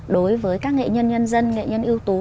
đối với các nghệ nhân nhân dân nghệ nhân ưu tú